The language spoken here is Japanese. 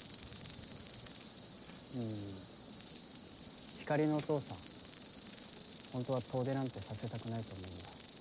うんひかりのお父さんホントは遠出なんてさせたくないと思うんだ。